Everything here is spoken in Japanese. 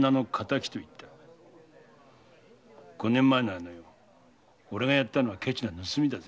五年前俺がやったのはケチな盗みだ。